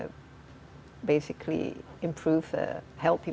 apakah kamu berharap membawa visi ini